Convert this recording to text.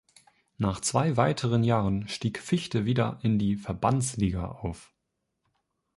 Nach zwei weiteren Jahren stieg Fichte wieder in die Verbandsliga auf.